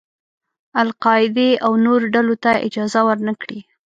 القاعدې او نورو ډلو ته اجازه ور نه کړي.